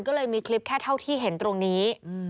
ก็เลยมีคลิปแค่เท่าที่เห็นตรงนี้